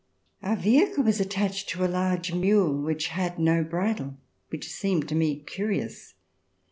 Our vehicle was attached to a large mule which had no bridle, which seemed to me curious.